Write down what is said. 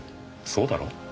そうだろ？